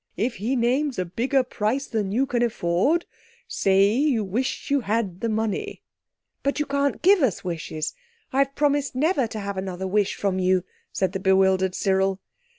If he names a bigger price than you can afford, say you wish you had the money." "But you can't give us wishes. I've promised never to have another wish from you," said the bewildered Cyril.